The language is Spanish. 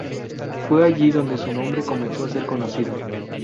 Fue allí donde su nombre comenzó a ser conocido.